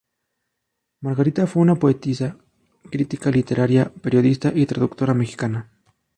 Margarita fue una poetisa, crítica literaria, periodista y traductora mexicana.